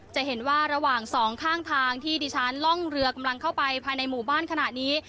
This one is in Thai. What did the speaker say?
จะเห็นว่าระหว่างสองข้างทางที่ดิฉันล่องเรือกำลังเข้าไปภายในหมู่บ้านขณะนี้